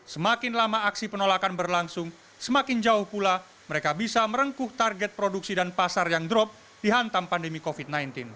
semakin lama aksi penolakan berlangsung semakin jauh pula mereka bisa merengkuh target produksi dan pasar yang drop dihantam pandemi covid sembilan belas